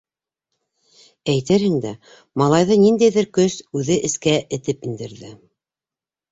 Әйтерһең дә, малайҙы ниндәйҙер көс үҙе эскә этеп индерҙе.